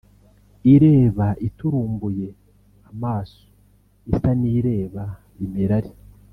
ireba iturumbuye amaso isa n’ireba imirari